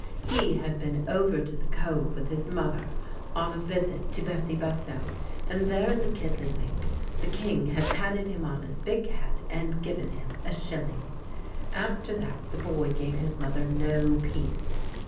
He had been over to the Cove with his mother on a visit to Bessie Bussow, and there in the Kiddlywink the King had patted him on his big head and given him a shilling. After that the boy gave his mother no peace.